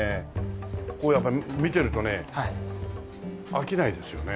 こうやっぱ見てるとね飽きないですよね